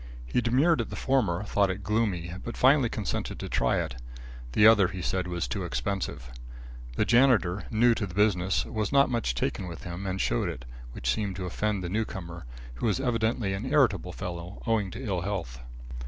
He demurred at the former, thought it gloomy but finally consented to try it. The other, he said, was too expensive. The janitor new to the business was not much taken with him and showed it, which seemed to offend the newcomer, who was evidently an irritable fellow owing to ill health.